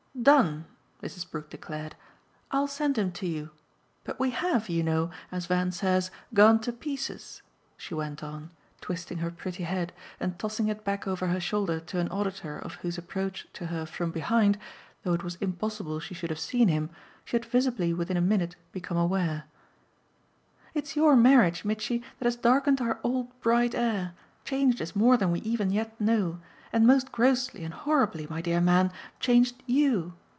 "Done!" Mrs. Brook declared. "I'll send him to you. But we HAVE, you know, as Van says, gone to pieces," she went on, twisting her pretty head and tossing it back over her shoulder to an auditor of whose approach to her from behind, though it was impossible she should have seen him, she had visibly within a minute become aware. "It's your marriage, Mitchy, that has darkened our old bright air, changed us more than we even yet know, and most grossly and horribly, my dear man, changed YOU.